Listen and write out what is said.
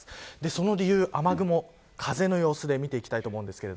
その理由雨雲、風の様子で見ていきます。